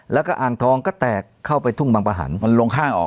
แล้วก็อ่างทองก็แตกเข้าไปทุ่งบางประหันมันลงข้างออก